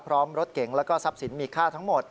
พร้อมรถเก๋งแล้วก็ทรัพย์สินมีค่าทั้งหมด